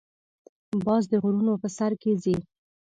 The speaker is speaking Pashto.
باز د غرونو په سر کې ځې